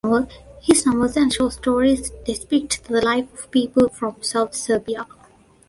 His novels and short stories depict the life of people from South Serbia.